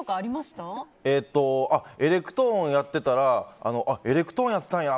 エレクトーンやってたらあっ、エレクトーンやったんや！